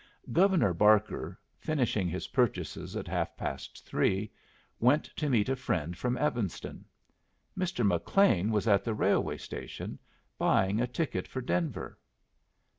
Governor Barker, finishing his purchases at half past three, went to meet a friend come from Evanston. Mr. McLean was at the railway station, buying a ticket for Denver.